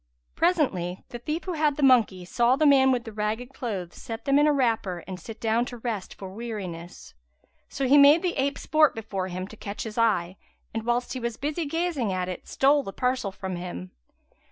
Presently the thief who had the monkey saw the man with the ragged clothes set them in a wrapper and sit down to rest for weariness; so he made the ape sport before him to catch his eye and, whilst he was busy gazing at it, stole the parcel from him.